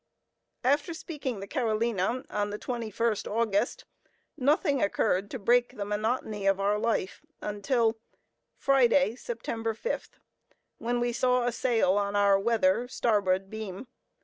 After speaking the Carolina, on the 21st August, nothing occurred to break the monotony of our life until— Friday, Sept. 5th, when we saw a sail on our weather (starboard) beam.